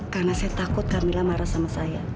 karena saya takut kamil marah sama saya